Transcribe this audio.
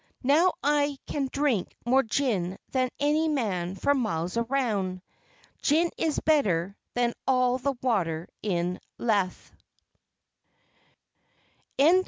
Now I can drink more gin than any man for miles around. Gin is better than all the water in Lethe. R.